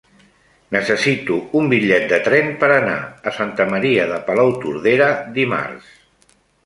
Necessito un bitllet de tren per anar a Santa Maria de Palautordera dimarts.